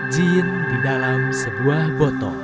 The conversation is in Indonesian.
jin di dalam sebuah botol